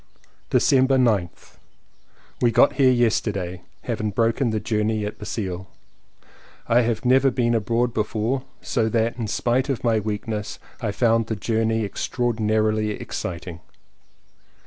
December 9th. We got here yesterday, having broken the journey at Basle. I have never been abroad before, so that, in spite of my weakness, I found the journey extraordi narily exciting.